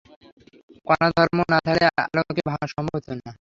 কনাধর্ম না থাকলে আলোকে ভাঙা সম্ভব হত না।